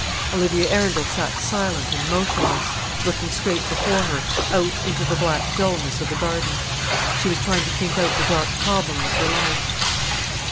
Olivia Arundel sat silent and motionless, looking straight before her out into the black dulness of the garden. She was trying to think out the dark problem of her life.